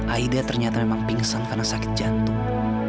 aida ternyata memang pingsan karena sakit jantung